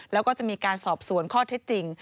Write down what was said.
แล้วก็จะมีการสอบสวนข้อเท็จจริง